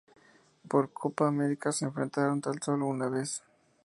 Por Copa Argentina se enfrentaron tan sólo una vez.